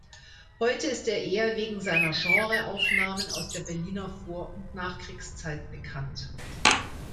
Heute ist er eher wegen seiner Genre-Aufnahmen aus der Berliner Vor- und Nachkriegszeit bekannt.